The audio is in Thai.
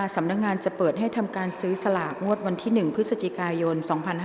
สำนักงานจะเปิดให้ทำการซื้อสลากงวดวันที่๑พฤศจิกายน๒๕๕๙